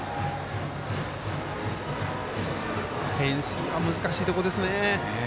フェンス際難しいところですね。